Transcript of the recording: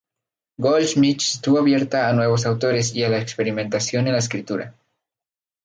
Goldsmith estuvo abierta a nuevos autores y a la experimentación en la escritura.